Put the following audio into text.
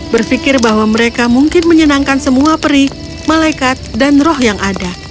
berpikir bahwa mereka mungkin menyenangkan semua peri malaikat dan roh yang ada